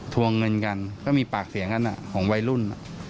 วงเงินกันก็มีปากเสียงกันของวัยรุ่น